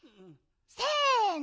せの。